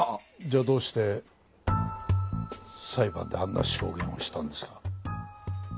じゃあどうして裁判であんな証言をしたんですか？